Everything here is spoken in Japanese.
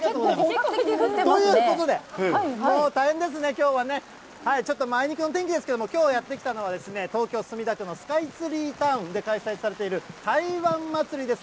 本格的に降っていますね。ということで、もう大変ですね、きょうはね。ちょっとあいにくの天気ですけれども、きょうやって来たのは、東京・墨田区のスカイツリータウンで開催されている台湾祭です。